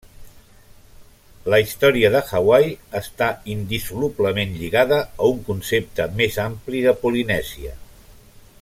La història de Hawaii està indissolublement lligada a un concepte més ampli de Polinèsia.